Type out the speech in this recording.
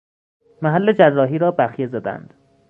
محل جراحی را بخیه زدند